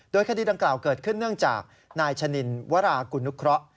โดยคดีดังกล่าวเกิดขึ้นเนื่องจากนายชะนินวรากุนุเคราะห์